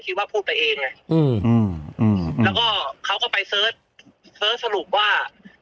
พูดว่าพูดไปเองไงอืมแล้วก็เขาก็ไปเสิร์ชเสิร์ชสรุปว่า